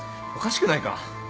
おかしくないか？